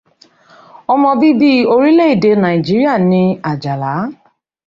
Ọmọ bíbí orílẹ̀-èdè Nàíjíríà ni Àjàlá.